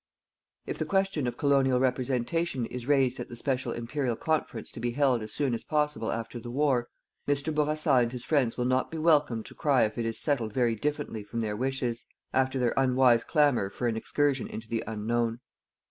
If the question of Colonial representation is raised at the special Imperial Conference to be held as soon as possible after the war, Mr. Bourassa and his friends will not be welcomed to cry if it is settled very differently from their wishes, after their unwise clamour for an excursion into the unknown.